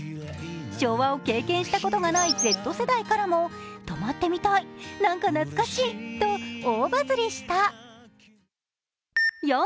昭和を経験したことがないＺ世代からも泊まってみたい、なんか懐かしいと大バズりした。